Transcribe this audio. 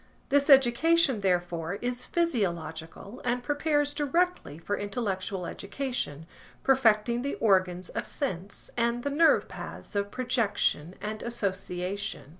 This education, therefore, is physiological and prepares directly for intellectual education, perfecting the organs of sense, and the nerve paths of projection and association.